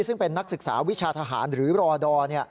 ซึ่งเป็นนักศึกษาวิชาทหารหรือรอดอร์